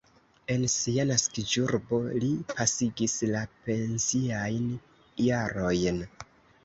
En sia naskiĝurbo li pasigis la pensiajn jarojn.